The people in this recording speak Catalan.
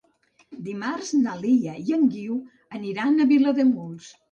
Dimarts na Lia i en Guiu aniran a Vilademuls.